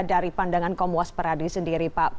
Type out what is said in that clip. dari pandangan komwas peradi sendiri pak